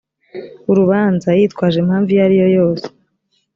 urubanza yitwaje impamvu iyo ari yo yose